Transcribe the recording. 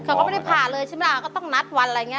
เขาก็ไม่ได้ผ่าเลยใช่ไหมล่ะก็ต้องนัดวันอะไรอย่างนี้